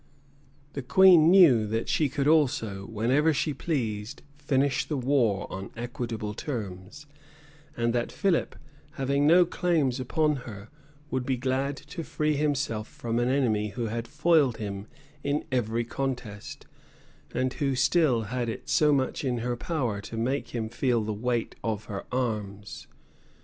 The queen knew that she could also, whenever she pleased, finish the war on equitable terms; and that Philip, having no claims upon her, would be glad to free himself from an enemy who had foiled him in every contest, and who still had it so much in her power to make him feel the weight of her arms.